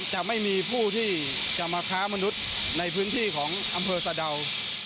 จะไม่มีผู้ที่จะมาค้ามนุษย์ในพื้นที่ของอำเภอสะดาว